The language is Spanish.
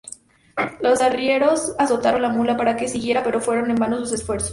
Los arrieros azotaron la mula para que siguiera, pero fueron en vano sus esfuerzos.